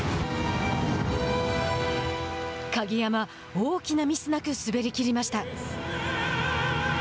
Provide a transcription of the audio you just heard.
大きなミスなく滑りきりました。